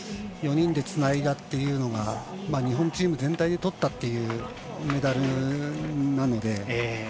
４人でつないだというのが日本チーム全体でとったというメダルなので。